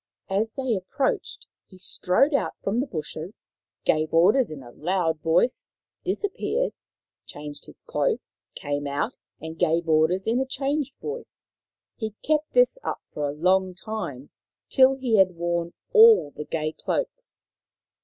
As they approached he strode out from the bushes, gave orders in a loud voice, disappeared, changed his cloak, came out and gave orders in a changed voice. He kept this up for a long time, till he had worn all the gay cloaks.